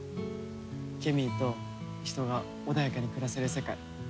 ケミーと人が穏やかに暮らせる世界。